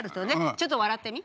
ちょっと笑ってみ。